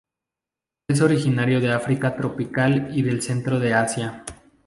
Es originario de África tropical y del centro de Asia.